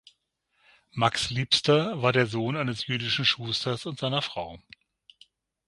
Max Liebster war der Sohn eines jüdischen Schusters und seiner Frau.